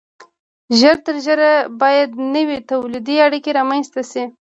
ژر تر ژره باید نوې تولیدي اړیکې رامنځته شي.